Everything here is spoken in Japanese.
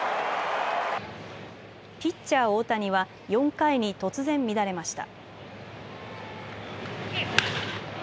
ピッチャー大谷は４回に突然乱れました。